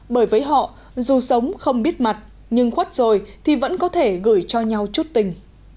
bởi với họ dù sống không biết mặt nhưng khuất rồi thì vẫn có thể gửi cho nhau chút tình